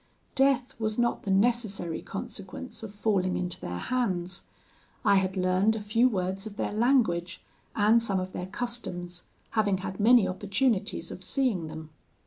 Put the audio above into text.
Death was not the necessary consequence of falling into their hands. I had learned a few words of their language, and some of their customs, having had many opportunities of seeing them.